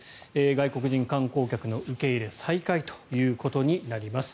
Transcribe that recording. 外国人観光客の受け入れ再開ということになります。